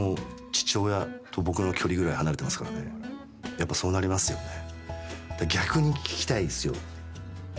やっぱそうなりますよね。